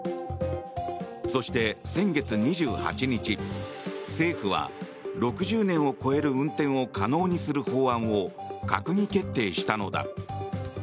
そして先月２８日政府は、６０年を超える運転を可能にする法案を閣議決定したのだ。